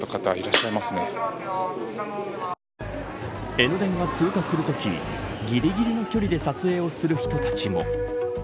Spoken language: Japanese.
江ノ電が通過するときぎりぎりの距離で撮影をする人たちも。